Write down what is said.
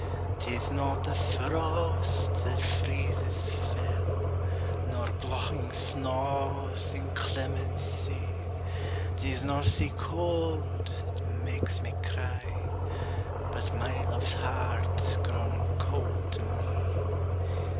'Tis not the frost that freezes fell, Nor blawing snaw's inclemencie, 'Tis not sic cauld that makes me cry; But my love's heart grown cauld to me.